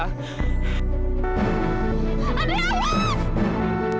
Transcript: kau gak tahu jawabannya ini the